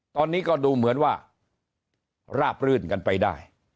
ตอนนี้ก็ดูเหมือนว่าราบรื่นกันไปได้